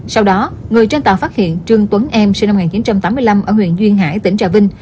sau đó người trên tàu phát hiện trương tuấn em sinh năm một nghìn chín trăm tám mươi năm ở huyện duyên hải tỉnh trà vinh